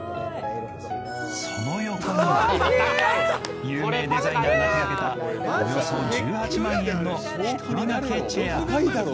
その横には有名デザイナーが手がけたおよそ１８万円の１人掛けチェア。